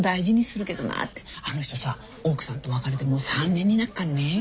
あの人さ奥さんと別れてもう３年になっかんね。